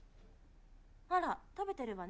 あら食べてるわね。